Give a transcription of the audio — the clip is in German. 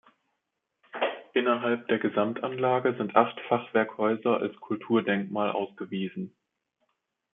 Innerhalb der Gesamtanlage sind acht Fachwerkhäuser als Kulturdenkmal ausgewiesen.